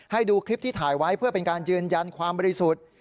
ให้ดูคลิปที่ถ่ายไว้เพื่อเป็นการยืนยันความบริสุทธิ์